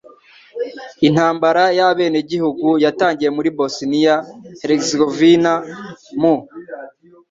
Intambara y'abenegihugu yatangiye muri Bosiniya-Herzegovina mu